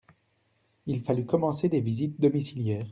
Il fallut commencer des visites domiciliaires.